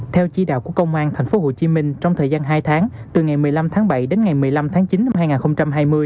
theo chỉ đạo của công an tp hcm trong thời gian hai tháng từ ngày một mươi năm tháng bảy đến ngày một mươi năm tháng chín năm hai nghìn hai mươi